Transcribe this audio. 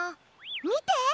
みて！